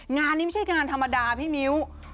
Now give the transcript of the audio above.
งานนี้ไม่ใช่งานธรรมดาพี่มิ้ว